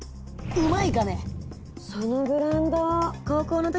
うまいかね！